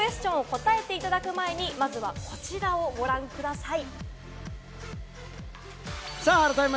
さあ、加藤さんに生クエスチョンを答えていただく前に、まずはこちらをご覧ください。